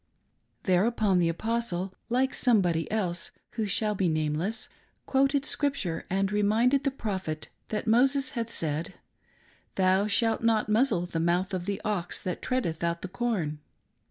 Thereupon the Apostle, like somebody else who shall be nameless, quoted Scripture and reminded the Prophet that Moses had said " Thou shalt not muzzle the mouth of the ox that treadeth out the corn."